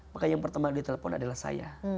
maka yang pertama yang ditelepon adalah saya